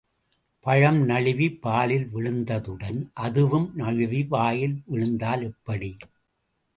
பழம் நழுவி பாலில் விழுந்ததுடன் அதுவும் நழுவி வாயில் விழுந்தால் எப்படி?